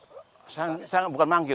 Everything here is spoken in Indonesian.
itu kan saya belajar itu kan dari